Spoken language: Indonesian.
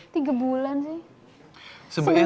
tiga bulan sih